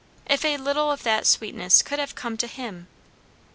If a little of that sweetness could have come to him!